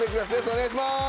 お願いします！